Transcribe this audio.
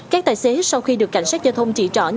các tài xế sau khi được cảnh sát giao thông chỉ trọn